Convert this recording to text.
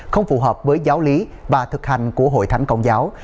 không phù hợp với giáo lý và thực hành của hội thánh công giáo